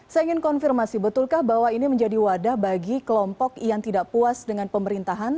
saya ingin konfirmasi betulkah bahwa ini menjadi wadah bagi kelompok yang tidak puas dengan pemerintahan